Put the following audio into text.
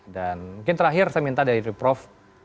dan mungkin terakhir saya minta dari prof